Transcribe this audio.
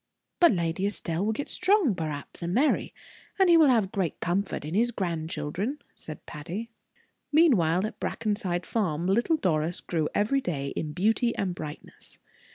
"But Lady Estelle will get strong, perhaps, and marry, and he will have great comfort in his grandchildren," said Patty. Meanwhile, at Brackenside Farm, little Doris grew every day in beauty and brightness.